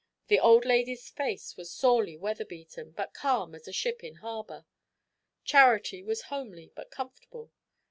The old lady's face was sorely weather beaten, but calm as a ship in harbour. Charity was homely, but comfortable.